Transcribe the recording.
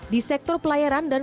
di sektor pelayaran dan